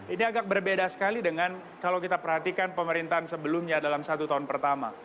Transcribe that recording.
ini agak berbeda sekali dengan kalau kita perhatikan pemerintahan sebelumnya dalam satu tahun pertama